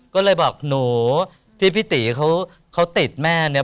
ก็เลยบอกหนูที่พี่ตีเขาติดแม่เนี่ย